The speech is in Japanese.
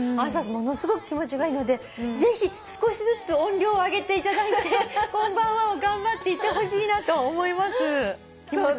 ものすごく気持ちがいいのでぜひ少しずつ音量上げていただいて「こんばんは」を頑張って言ってほしいなと思います。